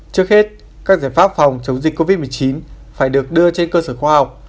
trước hết các giải pháp phòng chống dịch covid một mươi chín phải được đưa trên cơ sở khoa học